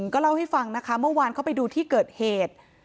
ก็เล่าให้ฟังนะคะเมื่อวานเข้าไปดูที่เกิดเหตุ